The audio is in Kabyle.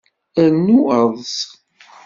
Rnu eḍṣ.